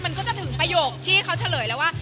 มันก็จะถึงประโยคที่เขาเฉลยแล้วว่า